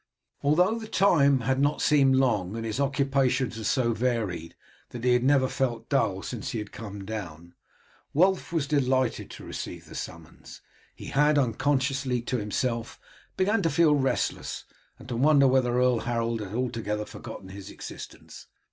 Although the time had not seemed long, and his occupations were so varied that he had never felt dull since he had come down, Wulf was delighted to receive the summons. He had, unconsciously to himself, begun to feel restless, and to wonder whether Earl Harold had altogether forgotten his existence.